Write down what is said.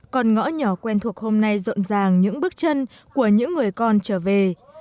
con ngõ nhỏ quen thuộc hôm nay rộn ràng những bước chân của những người con trở về